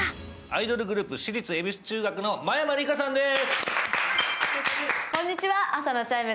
アイドルグループ私立恵比寿中学の真山りかさんです。